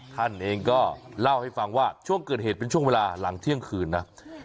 ท่านเองก็เล่าให้ฟังว่าช่วงเกิดเหตุเป็นช่วงเวลาหลังเที่ยงคืนนะ